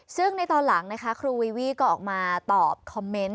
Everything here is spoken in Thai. ซึ่งในตอนหลังนะคะครูวีวี่ก็ออกมาตอบคอมเมนต์